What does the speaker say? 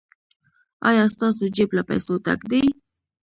ایا ستاسو جیب له پیسو ډک دی؟